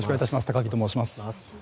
高木と申します。